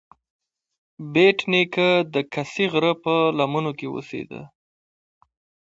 بېټ نیکه د کسي غره په لمنو کې اوسیده.